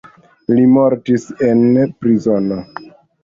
Li mortis en prizono.